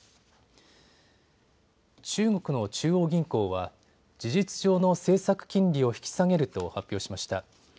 中国の中央銀行は事実上の政策金利を引き下げると発表しました。